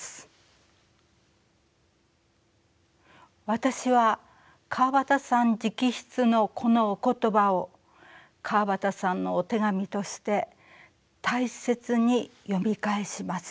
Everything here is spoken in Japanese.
私は川端さん直筆のこのお言葉を川端さんのお手紙として大切に読み返します。